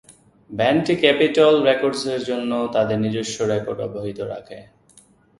ব্যান্ডটি Capitol রেকর্ডসের জন্য তাদের নিজস্ব রেকর্ড অব্যাহত রাখে।